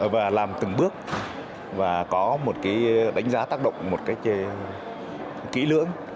và làm từng bước và có một cái đánh giá tác động một cách kỹ lưỡng